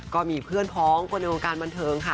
ก็มีเพื่อนพ้องคนในวงการบันเทิงค่ะ